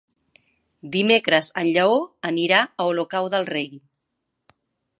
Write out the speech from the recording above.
Dimecres en Lleó anirà a Olocau del Rei.